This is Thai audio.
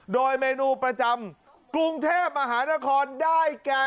โดยเมนูประจำกรุงเทพมหานครได้แก่